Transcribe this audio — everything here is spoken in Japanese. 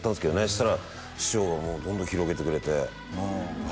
そしたら師匠がどんどん広げてくれてはい